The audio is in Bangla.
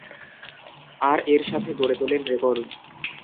আর এর সাথে গড়ে তোলেন রেকর্ড।